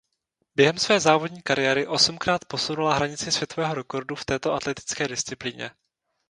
Během své závodní kariéry osmkrát posunula hranici světového rekordu v této atletické disciplíně.